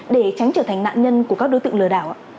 để tránh trở thành nạn nhân của các đối tượng lừa đảo ạ